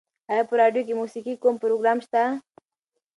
ایا په راډیو کې د موسیقۍ کوم پروګرام شته؟